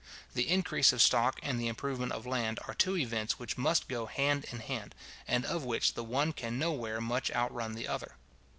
The increase of stock and the improvement of land are two events which must go hand in hand, and of which the one can nowhere much outrun the other.